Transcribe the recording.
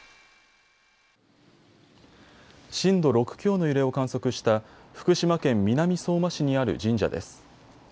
震度６強の揺れを観測した福島県南相馬市にある神社です。